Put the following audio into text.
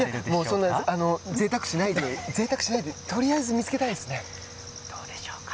そんな、ぜいたくしないでとりあえず見つけたいですね。